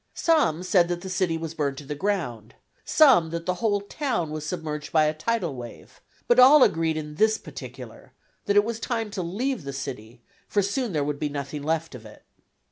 Some said that the city was burned to the ground, some that the whole town was submerged by a tidal wave, but all agreed in this particular: that it was time to leave the city, for soon there would be nothing left of it.